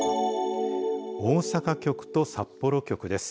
大阪局と札幌局です。